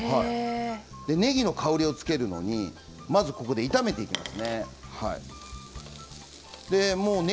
ねぎの香りをつけるのに炒めていきますね。